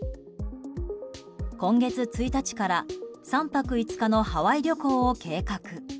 今月１日から３泊５日のハワイ旅行を計画。